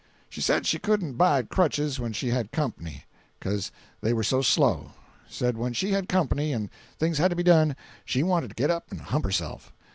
She said she couldn't abide crutches when she had company, becuz they were so slow; said when she had company and things had to be done, she wanted to get up and hump herself.